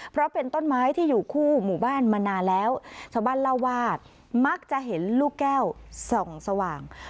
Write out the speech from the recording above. เพราะเป็นต้นไม้ที่อยู่คู่หมู่บ้านมานานแล้วชาวบ้านเล่าว่ามักจะเห็นลูกแก้วส่องสว่าง